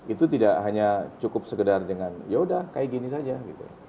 itu tidak hanya cukup segedar dengan ya udah kayak gini saja gitu